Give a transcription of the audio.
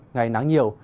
ngày nắng nhiều